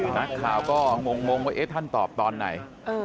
นักข่าวก็งงว่าท่านตอบตอนไหน